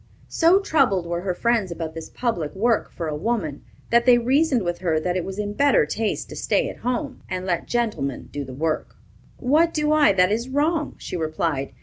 So troubled were her friends about this public work for a woman, that they reasoned with her that it was in better taste to stay at home, and let gentlemen do the work. "What do I that is wrong?" she replied.